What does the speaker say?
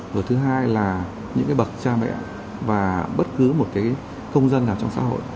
rồi thứ hai là những cái bậc cha mẹ và bất cứ một cái công dân nào trong xã hội